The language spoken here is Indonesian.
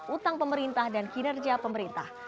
utang pemerintah dan kinerja pemerintah